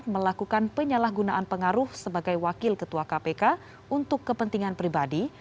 melakukan penyalahgunaan pengaruh sebagai wakil ketua kpk untuk kepentingan pribadi